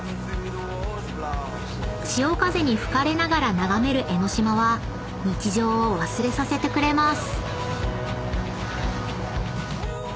［潮風に吹かれながら眺める江ノ島は日常を忘れさせてくれます］